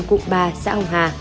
cụm ba xã hồng hà